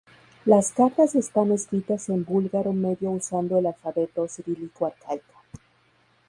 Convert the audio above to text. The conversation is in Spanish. Las cartas están escritas en búlgaro medio usando el alfabeto cirílico arcaico.